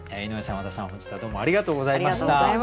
和田さん本日はどうもありがとうございました。